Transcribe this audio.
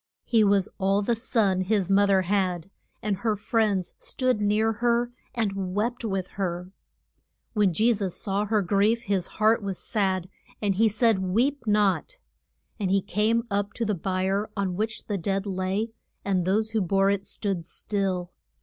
He was all the son his mo ther had, and her friends stood near her and wept with her. When Je sus saw her grief his heart was sad, and he said, Weep not. [Illustration: THE WID OW'S SON BROUGHT TO LIFE.] And he came up to the bier on which the dead lay, and those who bore it stood still.